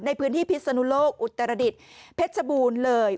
ในพื้นที่พิษธนุโลกอุตรดิตเพชบูรณ์เลย